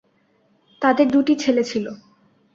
তাদের দুটি ছেলে ছিল।